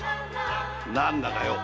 何だかよ